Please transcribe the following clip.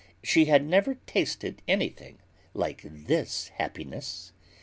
She had never tasted anything like this happiness.